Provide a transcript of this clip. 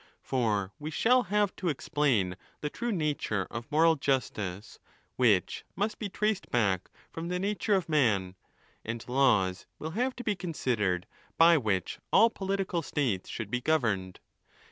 For we shall have to explain the true nature of moral justice, which must be traced back from the nature of man. And laws will have to be considered by which all political states should be governed.